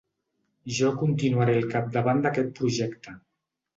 Jo continuaré al capdavant d’aquest projecte.